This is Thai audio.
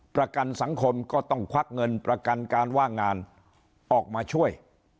ประกันสังคมก็ต้องควักเงินประกันการว่างงานออกมาช่วย